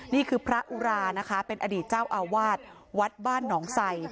นี่คือพระอุรานะคะเป็นอดีตเจ้าอาวาสวัดบ้านหนองไส